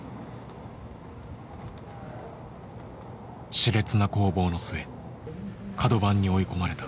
しれつな攻防の末カド番に追い込まれた豊島。